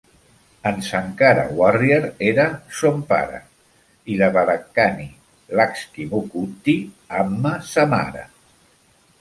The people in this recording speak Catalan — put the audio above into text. En Sankara Warrier era son pare i la Vadakkani Lakshmikutty Amma, sa mare.